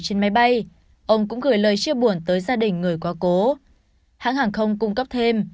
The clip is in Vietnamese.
trên máy bay ông cũng gửi lời chia buồn tới gia đình người qua cố hãng hàng không cung cấp thêm